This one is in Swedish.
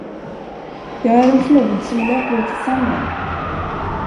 Jag är en flod som löper ut i sanden.